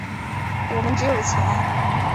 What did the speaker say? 我们只有钱。